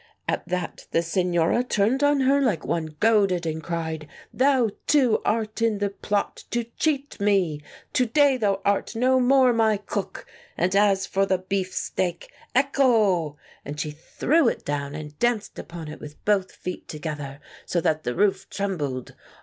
At that the Signora turned on her like one goaded and cried—' Thou too art in the plot to cheat me ! To day thou art no more my rook'; and as for the beefsteak— ccco ! And she 76 The Dance on the Beefsteak threw it down, and danced upon it with both feet to gether, so that the roof trembled.